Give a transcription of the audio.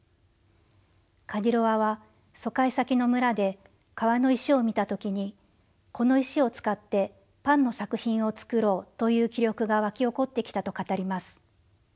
カディロワは疎開先の村で川の石を見た時にこの石を使ってパンの作品を作ろうという気力が沸き起こってきたと語ります。